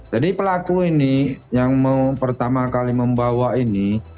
jadi pelaku ini yang pertama kali membawa ini